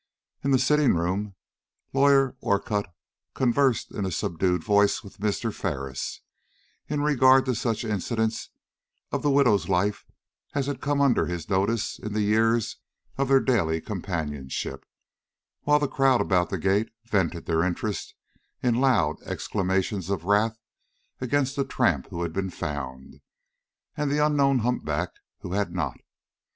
In the sitting room Lawyer Orcutt conversed in a subdued voice with Mr. Ferris, in regard to such incidents of the widow's life as had come under his notice in the years of their daily companionship, while the crowd about the gate vented their interest in loud exclamations of wrath against the tramp who had been found, and the unknown humpback who had not.